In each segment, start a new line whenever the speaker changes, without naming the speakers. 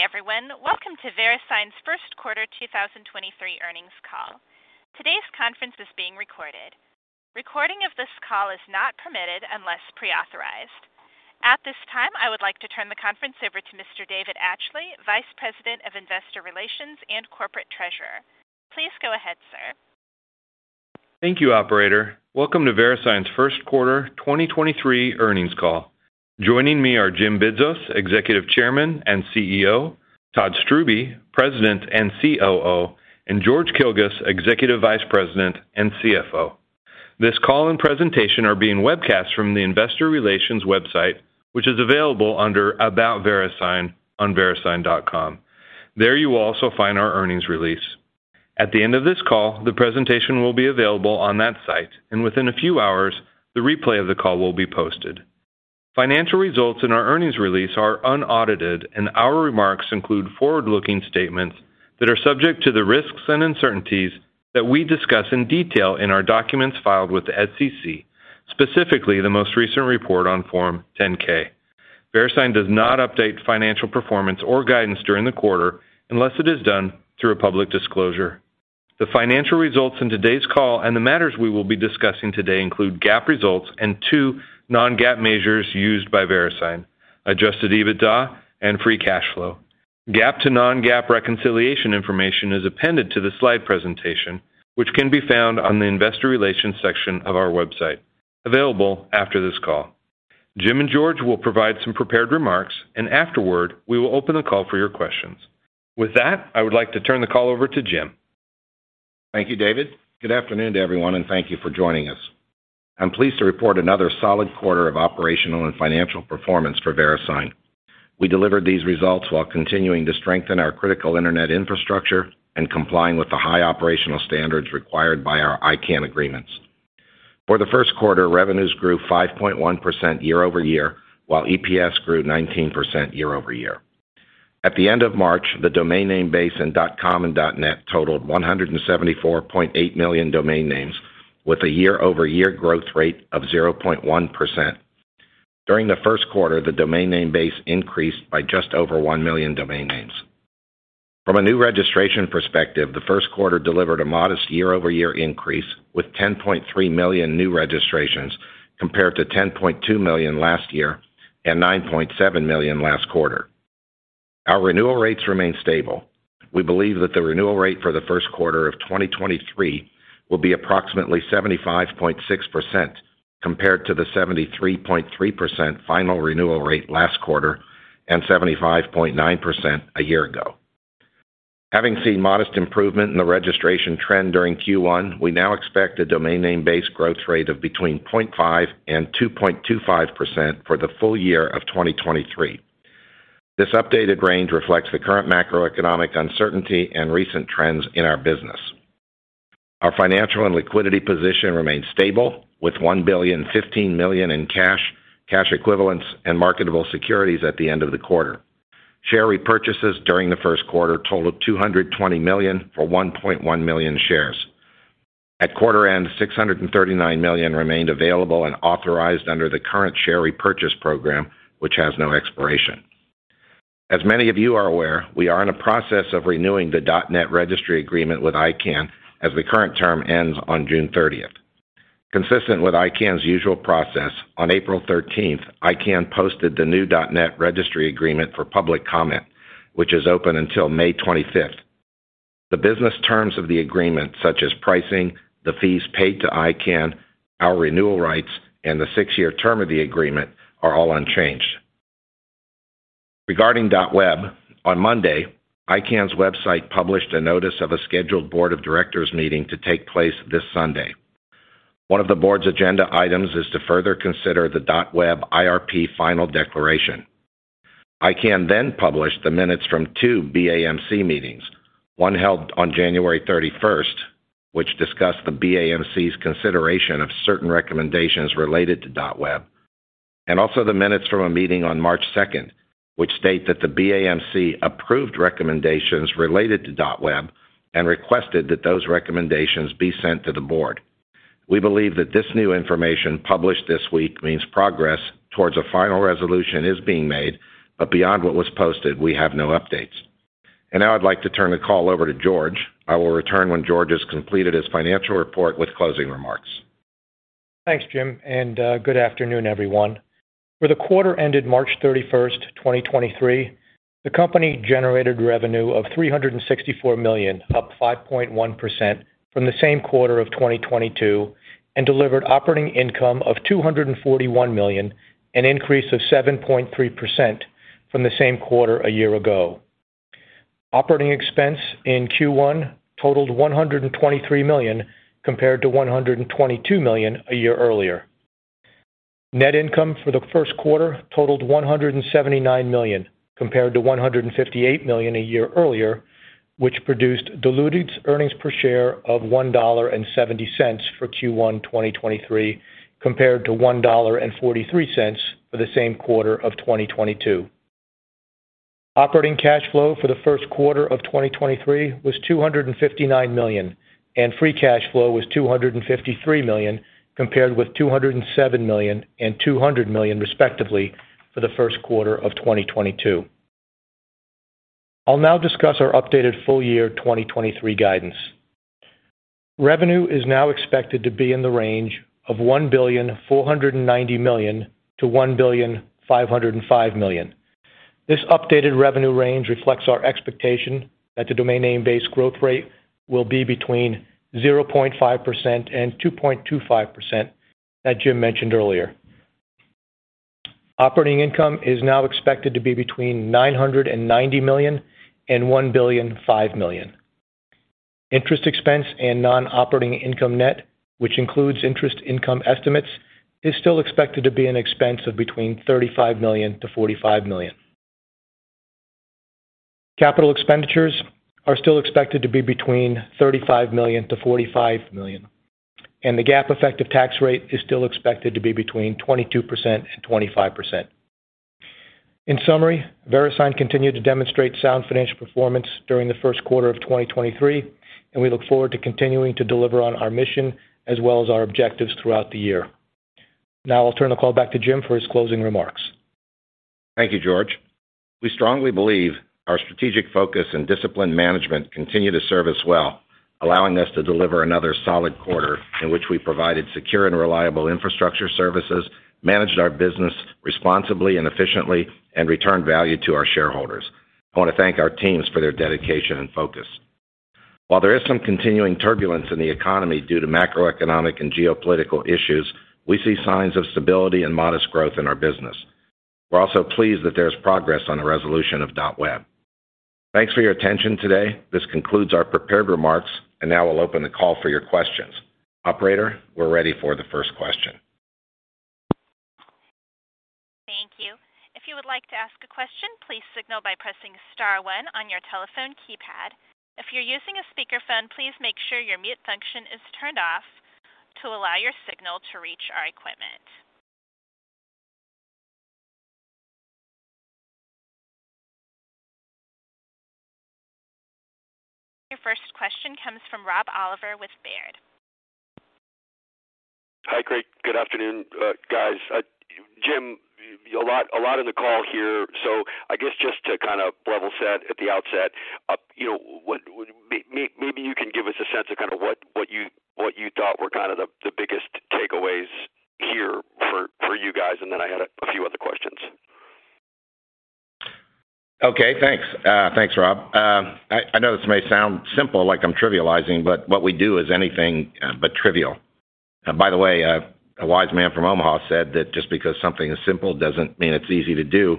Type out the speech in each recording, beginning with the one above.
Good day, everyone. Welcome to VeriSign's First Quarter 2023 Earnings Call. Today's conference is being recorded. Recording of this call is not permitted unless pre-authorized. At this time, I would like to turn the conference over to Mr. David Atchley, Vice President of Investor Relations and Corporate Treasurer. Please go ahead, sir.
Thank you, operator. Welcome to VeriSign's First Quarter 2023 Earnings Call. Joining me are Jim Bidzos, Executive Chairman and CEO, Todd Strubbe, President and COO, and George Kilguss, Executive Vice President and CFO. This call and presentation are being webcast from the investor relations website, which is available under About VeriSign on verisign.com. There you will also find our earnings release. At the end of this call, the presentation will be available on that site, and within a few hours the replay of the call will be posted. Financial results in our earnings release are unaudited, and our remarks include forward-looking statements that are subject to the risks and uncertainties that we discuss in detail in our documents filed with the SEC, specifically the most recent report on Form 10-K. VeriSign does not update financial performance or guidance during the quarter unless it is done through a public disclosure. The financial results in today's call and the matters we will be discussing today include GAAP results and two non-GAAP measures used by VeriSign: Adjusted EBITDA and free cash flow. GAAP to non-GAAP reconciliation information is appended to the slide presentation, which can be found on the investor relations section of our website, available after this call. Jim and George will provide some prepared remarks, and afterward, we will open the call for your questions. With that, I would like to turn the call over to Jim.
Thank you, David. Good afternoon to everyone, and thank you for joining us. I'm pleased to report another solid quarter of operational and financial performance for VeriSign. We delivered these results while continuing to strengthen our critical internet infrastructure and complying with the high operational standards required by our ICANN agreements. For the first quarter, revenues grew 5.1% year-over-year, while EPS grew 19% year-over-year. At the end of March, the domain name base in dot com and .net totaled 174.8 million domain names with a year-over-year growth rate of 0.1%. During the first quarter, the domain name base increased by just over 1 million domain names. From a new registration perspective, the first quarter delivered a modest year-over-year increase with 10.3 million new registrations compared to 10.2 million last year and 9.7 million last quarter. Our renewal rates remain stable. We believe that the renewal rate for the first quarter of 2023 will be approximately 75.6% compared to the 73.3% final renewal rate last quarter and 75.9% a year ago. Having seen modest improvement in the registration trend during Q1, we now expect a domain name base growth rate of between 0.5% and 2.25% for the full year of 2023. This updated range reflects the current macroeconomic uncertainty and recent trends in our business. Our financial and liquidity position remains stable with $1.015 billion in cash equivalents and marketable securities at the end of the quarter. Share repurchases during the first quarter totaled $220 million for 1.1 million shares. At quarter end, $639 million remained available and authorized under the current share repurchase program, which has no expiration. As many of you are aware, we are in a process of renewing the .NET Registry Agreement with ICANN as the current term ends on June 30th. Consistent with ICANN's usual process, on April 13th, ICANN posted the new .NET Registry Agreement for public comment, which is open until May 25th. The business terms of the agreement, such as pricing, the fees paid to ICANN, our renewal rights, and the 6-year term of the agreement are all unchanged. Regarding .web, on Monday, ICANN's website published a notice of a scheduled board of directors meeting to take place this Sunday. One of the board's agenda items is to further consider the .web IRP final declaration. ICANN published the minutes from two BAMC meetings, one held on January 31st, which discussed the BAMC's consideration of certain recommendations related to .web, and also the minutes from a meeting on March 2nd, which state that the BAMC approved recommendations related to .web and requested that those recommendations be sent to the board. We believe that this new information published this week means progress towards a final resolution is being made. Beyond what was posted, we have no updates. Now I'd like to turn the call over to George. I will return when George has completed his financial report with closing remarks.
Thanks, Jim, and good afternoon, everyone. For the quarter ended March 31, 2023, the company generated revenue of $364 million, up 5.1% from the same quarter of 2022, and delivered operating income of $241 million, an increase of 7.3% from the same quarter a year ago. Operating expense in Q1 totaled $123 million compared to $122 million a year earlier. Net income for the first quarter totaled $179 million compared to $158 million a year earlier, which produced diluted earnings per share of $1.70 for Q1 2023 compared to $1.43 for the same quarter of 2022. Operating cash flow for the first quarter of 2023 was $259 million, and free cash flow was $253 million, compared with $207 million and $200 million, respectively, for the first quarter of 2022. I'll now discuss our updated full year 2023 guidance. Revenue is now expected to be in the range of $1.49 billion-$1.505 billion. This updated revenue range reflects our expectation that the domain name base growth rate will be between 0.5% and 2.25%, that Jim mentioned earlier. Operating income is now expected to be between $990 million and $1.005 billion. Interest expense and non-operating income net, which includes interest income estimates, is still expected to be an expense of between $35 million-$45 million. Capital expenditures are still expected to be between $35 million-$45 million, and the GAAP effective tax rate is still expected to be between 22% and 25%. In summary, VeriSign continued to demonstrate sound financial performance during the first quarter of 2023, and we look forward to continuing to deliver on our mission as well as our objectives throughout the year. Now I'll turn the call back to Jim for his closing remarks.
Thank you, George. We strongly believe our strategic focus and disciplined management continue to serve us well, allowing us to deliver another solid quarter in which we provided secure and reliable infrastructure services, managed our business responsibly and efficiently, and returned value to our shareholders. I want to thank our teams for their dedication and focus. While there is some continuing turbulence in the economy due to macroeconomic and geopolitical issues, we see signs of stability and modest growth in our business. We're also pleased that there's progress on the resolution of .web. Thanks for your attention today. This concludes our prepared remarks and now we'll open the call for your questions. Operator, we're ready for the first question.
Thank you. If you would like to ask a question, please signal by pressing star one on your telephone keypad. If you're using a speakerphone, please make sure your mute function is turned off to allow your signal to reach our equipment. Your first question comes from Rob Oliver with Baird.
Hi. Great. Good afternoon, guys. Jim, a lot in the call here. I guess just to kind of level set at the outset, you know, maybe you can give us a sense of kind of what you thought were kind of the biggest takeaways here for you guys. Then I had a few other questions.
Okay. Thanks. Thanks, Rob. I know this may sound simple, like I'm trivializing, but what we do is anything but trivial. By the way, a wise man from Omaha said that just because something is simple doesn't mean it's easy to do.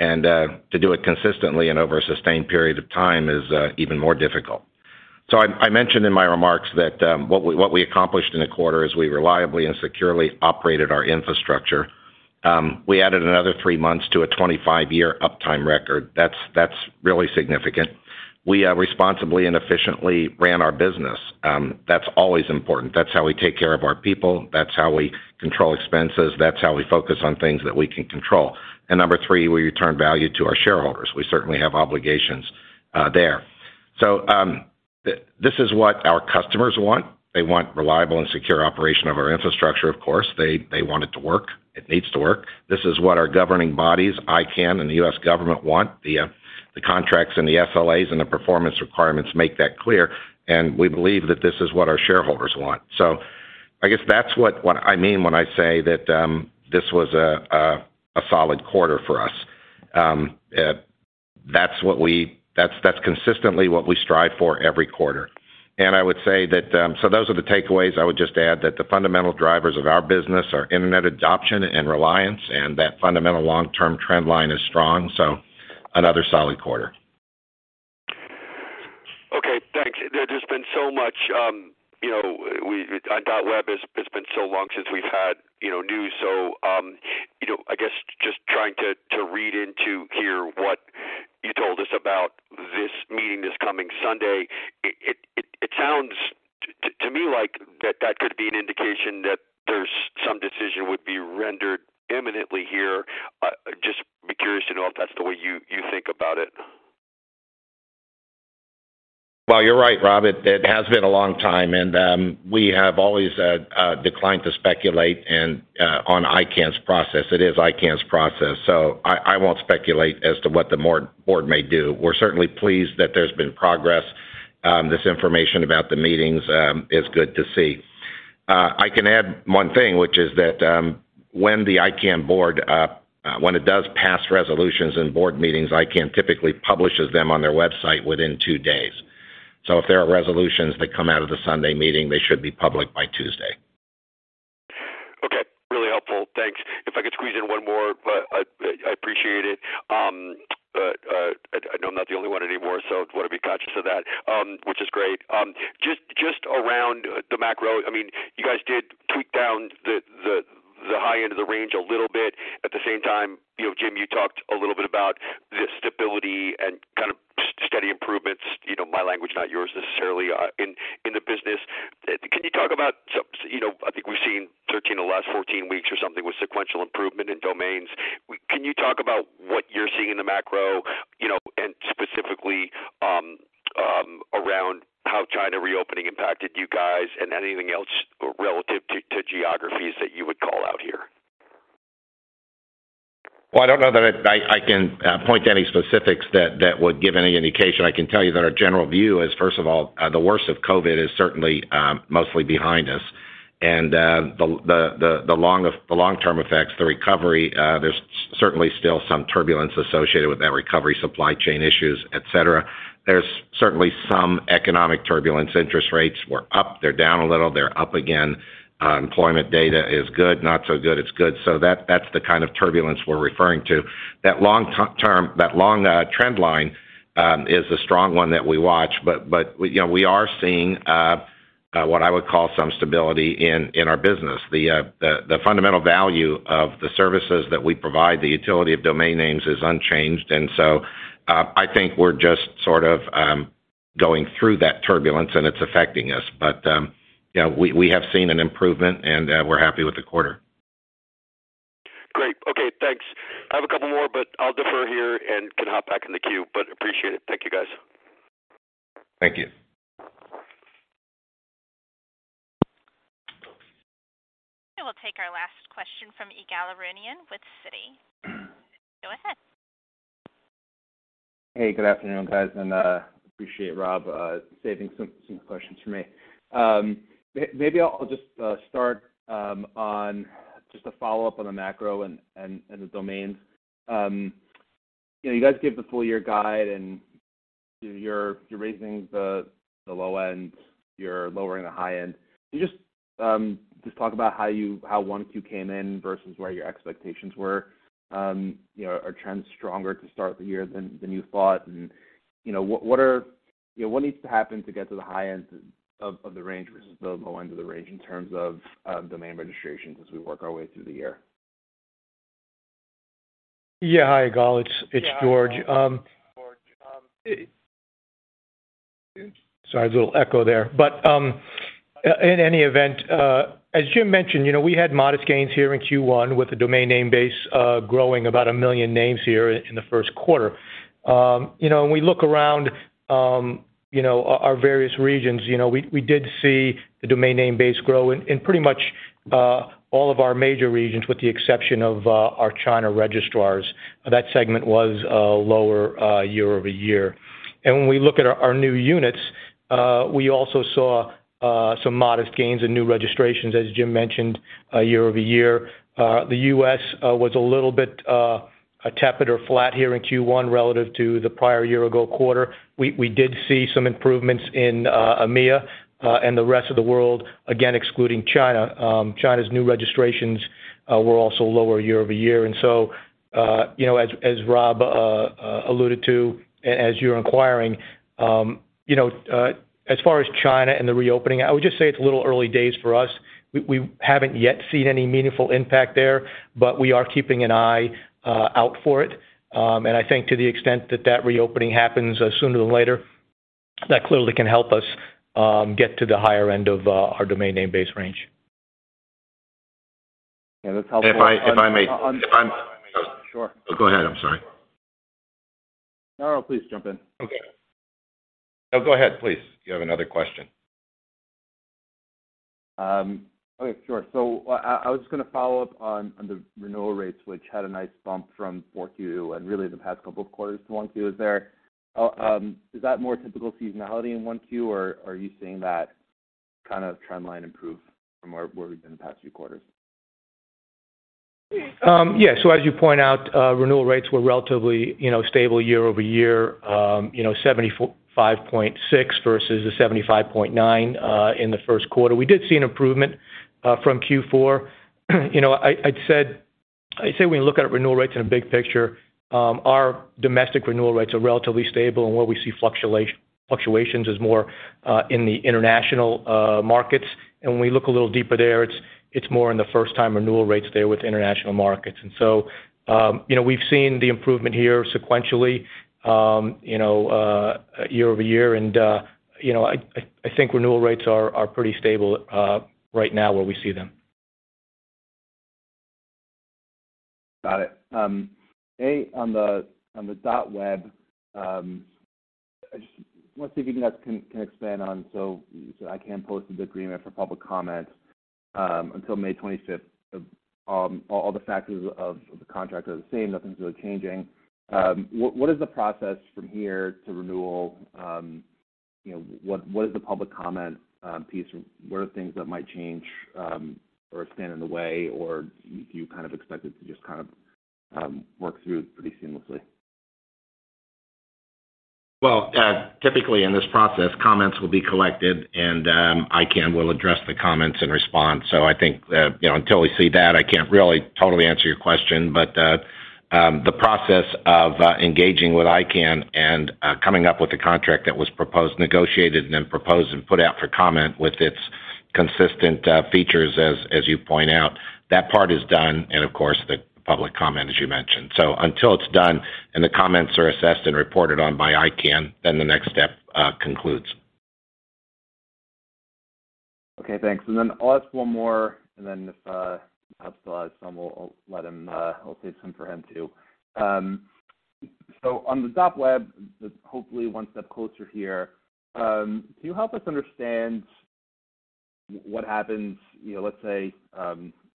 To do it consistently and over a sustained period of time is even more difficult. I mentioned in my remarks that what we accomplished in the quarter is we reliably and securely operated our infrastructure. We added another three months to a 25-year uptime record. That's really significant. We responsibly and efficiently ran our business. That's always important. That's how we take care of our people. That's how we control expenses. That's how we focus on things that we can control. Number three, we return value to our shareholders. We certainly have obligations there. This is what our customers want. They want reliable and secure operation of our infrastructure, of course. They want it to work. It needs to work. This is what our governing bodies, ICANN and the U.S. government want. The contracts and the SLAs and the performance requirements make that clear. We believe that this is what our shareholders want. I guess that's what I mean when I say that this was a solid quarter for us. That's consistently what we strive for every quarter. I would say that. Those are the takeaways. I would just add that the fundamental drivers of our business are Internet adoption and reliance, and that fundamental long-term trend line is strong. Another solid quarter.
Thanks. There's just been so much, you know, On .web, it's been so long since we've had, you know, news. I guess just trying to read into here what you told us about this meeting this coming Sunday. It sounds to me like that could be an indication that there's some decision would be rendered imminently here. Just be curious to know if that's the way you think about it.
Well, you're right, Rob. It has been a long time, and we have always declined to speculate on ICANN's process. It is ICANN's process, so I won't speculate as to what the board may do. We're certainly pleased that there's been progress. This information about the meetings is good to see. I can add one thing, which is that when the ICANN board does pass resolutions in board meetings, ICANN typically publishes them on their website within two days. If there are resolutions that come out of the Sunday meeting, they should be public by Tuesday.
Okay. Really helpful. Thanks. If I could squeeze in one more, I'd appreciate it. I know I'm not the only one anymore, so want to be conscious of that, which is great. Just around the macro. I mean, you guys did tweak down the high end of the range a little bit. At the same time, you know, Jim, you talked a little bit about the stability and kind of steady improvements, you know, my language, not yours necessarily, in the business. Can you talk about, so, you know, I think we've seen 13 of the last 14 weeks or something with sequential improvement in domains. Can you talk about what you're seeing in the macro? You know, specifically around how China reopening impacted you guys and anything else relative to geographies that you would call out here.
Well, I don't know that I can point to any specifics that would give any indication. I can tell you that our general view is, first of all, the worst of COVID is certainly mostly behind us. The long-term effects, the recovery, there's certainly still some turbulence associated with that recovery, supply chain issues, et cetera. There's certainly some economic turbulence. Interest rates were up, they're down a little, they're up again. Employment data is good, not so good, it's good. That's the kind of turbulence we're referring to. That long-term, that long trend line is a strong one that we watch. We, you know, we are seeing what I would call some stability in our business. The fundamental value of the services that we provide, the utility of domain names is unchanged. I think we're just sort of, going through that turbulence, and it's affecting us. You know, we have seen an improvement, and we're happy with the quarter.
Great. Okay, thanks. I have a couple more, but I'll defer here and can hop back in the queue. Appreciate it. Thank you, guys.
Thank you.
We'll take our last question from Ygal Arounian with Citi. Go ahead.
Hey, good afternoon, guys, and appreciate Rob saving some questions for me. maybe I'll just start on just a follow-up on the macro and the domains. You know, you guys gave the full year guide, and you're raising the low end, you're lowering the high end. Can you just talk about how 1Q came in versus where your expectations were? You know, are trends stronger to start the year than you thought? You know, what needs to happen to get to the high end of the range versus the low end of the range in terms of domain registrations as we work our way through the year?
Yeah. Hi, Ygal Arounian. It's George Kilguss. Sorry, there's a little echo there. In any event, as Jim Bidzos mentioned, you know, we had modest gains here in Q1 with the domain name base growing about 1 million names in the first quarter. You know, when we look around, you know, our various regions, you know, we did see the domain name base grow in pretty much all of our major regions with the exception of our China registrars. That segment was lower year-over-year. When we look at our new units, we also saw some modest gains in new registrations, as Jim Bidzos mentioned, year-over-year. The U.S. was a little bit tepid or flat here in Q1 relative to the prior year-ago quarter. We did see some improvements in EMEA and the rest of the world, again, excluding China. China's new registrations were also lower year-over-year. You know, as Rob alluded to, as you're inquiring, you know, as far as China and the reopening, I would just say it's a little early days for us. We haven't yet seen any meaningful impact there, but we are keeping an eye out for it. I think to the extent that that reopening happens sooner than later, that clearly can help us get to the higher end of our domain name base range.
Yeah, that's helpful.
If I may.
Sure.
Go ahead. I'm sorry.
No, please jump in.
Okay. No, go ahead, please. You have another question.
Okay. Sure. I was just gonna follow up on the renewal rates, which had a nice bump from 4Q and really the past couple of quarters to 1Q. Is that more typical seasonality in 1Q, or are you seeing that kind of trend line improve from where we've been the past few quarters?
Yeah. As you point out, renewal rates were relatively, you know, stable year-over-year, 75.6% versus the 75.9% in the first quarter. We did see an improvement from Q4. You know, I'd say when you look at renewal rates in a big picture, our domestic renewal rates are relatively stable, and where we see fluctuations is more in the international markets. When we look a little deeper there, it's more in the first-time renewal rates there with international markets. We've seen the improvement here sequentially, you know, year-over-year. You know, I think renewal rates are pretty stable right now where we see them.
Got it. A, on the, on the .web, I just want to see if you guys can expand on, so ICANN posted the agreement for public comment until May 25th. All the factors of the contract are the same. Nothing's really changing. What is the process from here to renewal? You know, what is the public comment piece? What are things that might change, or stand in the way, or do you kind of expect it to just kind of work through pretty seamlessly?
Well, typically in this process, comments will be collected and ICANN will address the comments and respond. I think, you know, until we see that, I can't really totally answer your question. The process of engaging with ICANN and coming up with the contract that was proposed, negotiated and then proposed and put out for comment with its consistent features as you point out, that part is done and of course the public comment as you mentioned. Until it's done and the comments are assessed and reported on by ICANN, the next step concludes.
Okay, thanks. I'll ask one more, and then if Rob still has some, we'll, I'll let him. I'll save some for him too. On the .web, hopefully one step closer here, can you help us understand what happens? You know, let's say,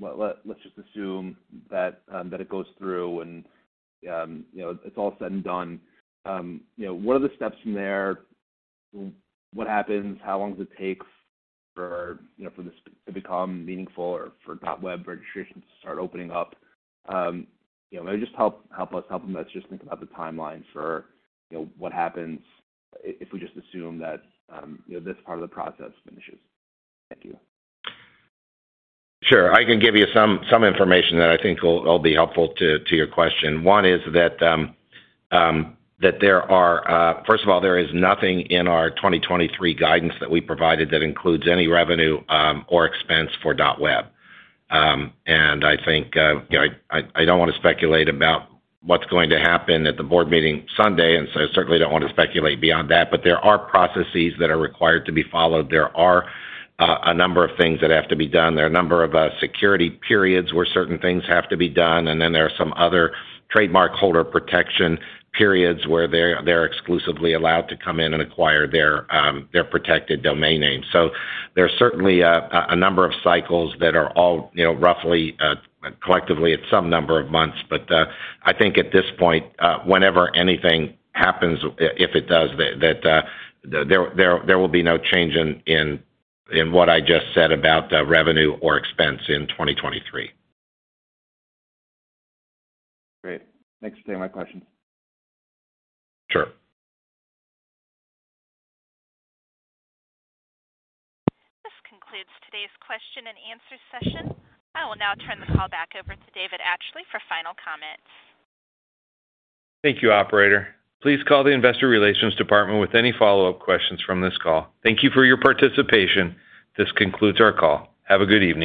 well, let's just assume that it goes through and, you know, it's all said and done. You know, what are the steps from there? What happens? How long does it take for, you know, for this to become meaningful or for .web registrations to start opening up? You know, maybe just help us just think about the timeline for, you know, what happens if we just assume that, you know, this part of the process finishes. Thank you.
Sure. I can give you some information that I think will be helpful to your question. One is that there are first of all, there is nothing in our 2023 guidance that we provided that includes any revenue or expense for .web. I think, you know, I don't wanna speculate about what's going to happen at the board meeting Sunday, so I certainly don't want to speculate beyond that. There are processes that are required to be followed. There are a number of things that have to be done. There are a number of security periods where certain things have to be done, and then there are some other trademark holder protection periods where they're exclusively allowed to come in and acquire their protected domain names. There are certainly a number of cycles that are all, you know, roughly, collectively at some number of months. I think at this point, whenever anything happens, if it does, that, there will be no change in what I just said about the revenue or expense in 2023.
Great. Thanks for taking my questions.
Sure.
This concludes today's question and answer session. I will now turn the call back over to David Atchley for final comments.
Thank you, operator. Please call the investor relations department with any follow-up questions from this call. Thank you for your participation. This concludes our call. Have a good evening.